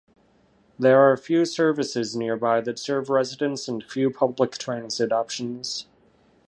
There are few services nearby that serve residents and few public transit options.